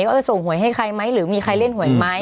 ว่าส่งหวยให้ใครไหมหรือมีใครเล่นหวยไหม